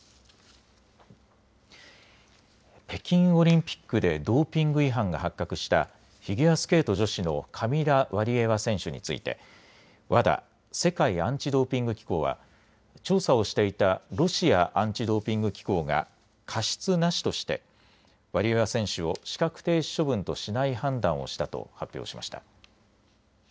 北京オリンピックでドーピング違反が発覚したフィギュアスケート女子のカミラ・ワリエワ選手についてＷＡＤＡ・世界アンチドーピング機構は調査をしていたロシアアンチドーピング機構が過失なしとしてワリエワ選手を資格停止処分としない判断をしたと発表しました。